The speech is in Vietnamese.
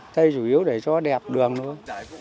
đây chủ yếu để cho nó đẹp đường luôn